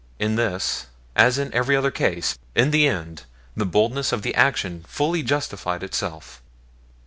In this, as in every other case, in the end the boldness of the action fully justified itself.